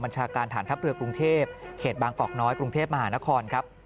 ชาการฐานทัพเรือกรุงเทพเขตบางกอกน้อยกรุงเทพมหานครครับ